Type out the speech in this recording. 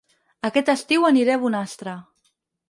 Aquest estiu aniré a Bonastre